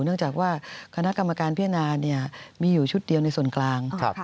เนื่องจากว่าคณะกรรมการพิจารณามีอยู่ชุดเดียวในส่วนกลาง